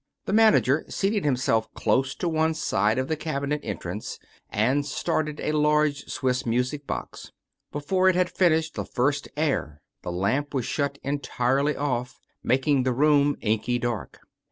The manager seated himself close to one side of the cabinet entrance, and started a large Swiss music box. Before it had finished the first air the lamp was shut entirely oflF, making the room inky dark.